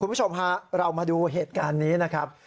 คุณผู้ชมฮะเรามาดูเหตุการณ์นี้นะครับ